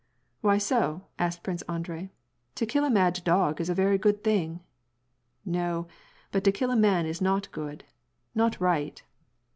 " Why so ?" asked Prince Andrei, " to kill a mad dog is a very good thing." "No, but to kill a man is not good, — not right."